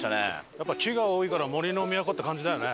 やっぱり木が多いから杜の都って感じだよね。